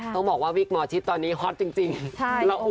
ต้องบอกว่าวิกหมอชิตตอนนี้ฮอตจริงระอุมาก